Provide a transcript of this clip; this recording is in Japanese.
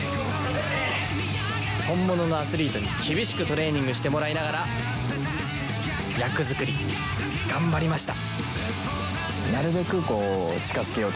本物のアスリートに厳しくトレーニングしてもらいながら役作り頑張りました。